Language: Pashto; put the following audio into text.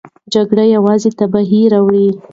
جګړه یوازې تباهي راوړي.